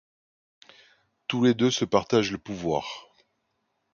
Tous les deux se partagent le pouvoir.